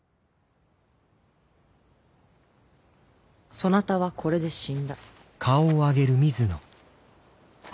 そなたはこれで死んだ。